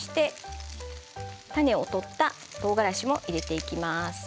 種を取ったとうがらしも入れていきます。